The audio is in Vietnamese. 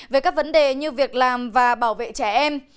về các vấn đề như việc làm và bảo vệ trẻ em